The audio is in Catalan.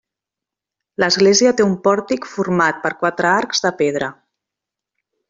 L'església té un pòrtic format per quatre arcs de pedra.